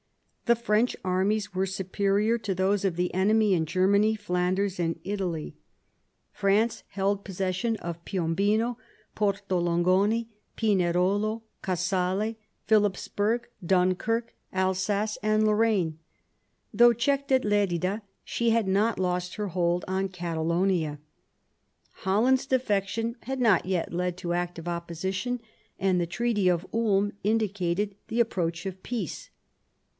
The French armies were superior to those of the enemy in Germany, Flanders, and Italy. France Ill THE PEACE OF WESTPHALIA 47 held possession of Piombino, Porto Longone, Pinerolo, Casale, Philipsburg, Dunkirk, Alsace, and LoiTaine. Though checked at Lerida, she had not lost her hold on Catalonia. Holland's defection had not yet led to active opposition, and the Treaty of Ulm indicated the approach of peace.